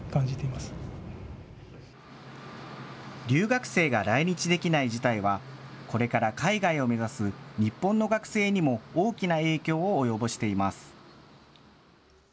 留学生が来日できない事態は、これから海外を目指す日本の学生にも大きな影響を及ぼしています。